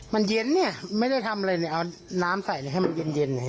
มันเย็นเนี่ยไม่ได้ทำอะไรเนี่ยเอาน้ำใส่ให้มันเย็น